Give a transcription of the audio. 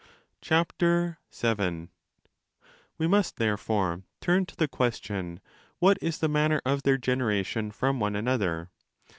ἡ We must, therefore, turn to the question, what is the manner of their generation from one another?